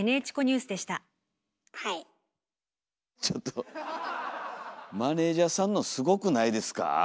ちょっとマネージャーさんのすごくないですか？